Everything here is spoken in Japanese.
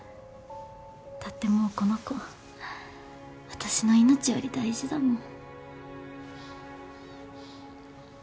だってもうこの子私の命より大事だもん。